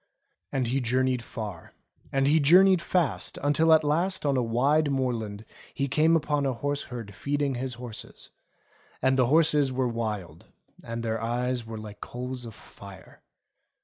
And he journeyed far, and he journeyed fast, until at last on a wide moorland he came upon a horse herd feeding his horses ; and the horses were wild, and their eyes were like coals of fire.